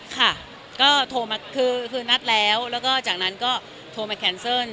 ค่ะก็โทรมาคือนัดแล้วแล้วก็จากนั้นก็โทรมาแคนเซิล